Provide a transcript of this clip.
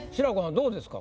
どうですか？